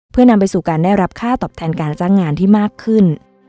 เพื่อนำไปสู่การได้รับค่าตอบแทนการจ้างงานที่มากขึ้น